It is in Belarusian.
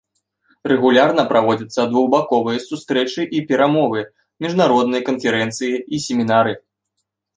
Рэгулярна праводзяцца двухбаковыя сустрэчы і перамовы, міжнародныя канферэнцыі і семінары.